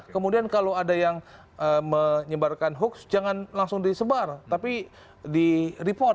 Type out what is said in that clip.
kemudian kalau ada yang menyebarkan hoax jangan langsung disebar tapi di report